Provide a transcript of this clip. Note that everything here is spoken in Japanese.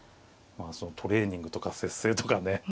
トレーニングとか節制とかね